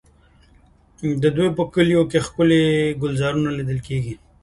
د دوی په کلیو کې ښکلي ګلزارونه لیدل کېږي.